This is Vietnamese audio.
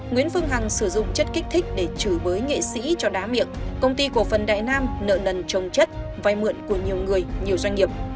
nguyễn phương hằng sử dụng chất kích thích để trừ bới nghệ sĩ cho đá miệng công ty của phần đại nam nợ nần trông chất vai mượn của nhiều người nhiều doanh nghiệp